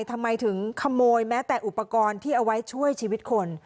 ทำไมถึงขโมยแม้แต่อุปกรณ์ที่เอาไว้ช่วยชีวิตคน